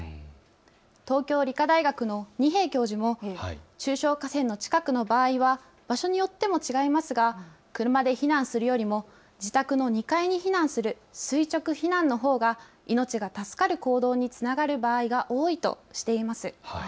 東京理科大学の二瓶教授も中小河川の近くの場合は場所によっても違いますが車で避難するよりも自宅の２階に避難する垂直避難のほうが命が助かる行動につながる場合が多いとしています。